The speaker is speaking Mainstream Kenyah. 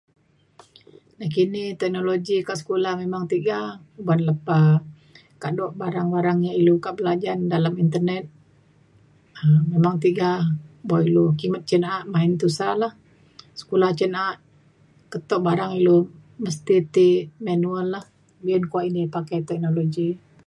nakini teknologi dalem sekula memang tiga uban lepa kado barang barang yak ilu kak belajen dalem internet um beng tiga. buk lu kimet cin na’a main tusa lah. sekla cin na’a keto barang ilu mesti ti manual lah. be’un kuak ini pakai teknologi.